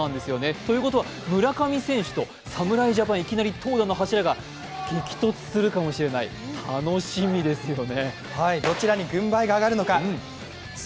ということは、村上選手と侍ジャパン、投打の相手が激突するかもしれない、楽しみですね。